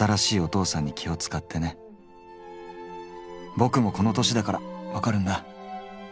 ボクもこの年だから分かるんだ。